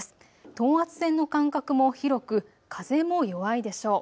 等圧線の間隔も広く風も弱いでしょう。